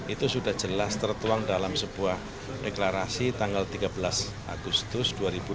itu sudah jelas tertuang dalam sebuah deklarasi tanggal tiga belas agustus dua ribu dua puluh